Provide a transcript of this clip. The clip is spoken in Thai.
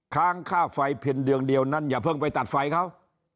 ค้างค่าไฟเพียงเดือนเดียวนั้นอย่าเพิ่งไปตัดไฟเขา